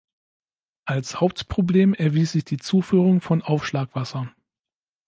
Als Hauptproblem erwies sich die Zuführung von Aufschlagwasser.